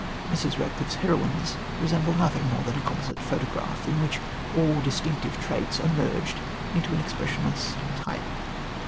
Mrs. Radcliffe's heroines resemble nothing more than a composite photograph in which all distinctive traits are merged into an expressionless "type."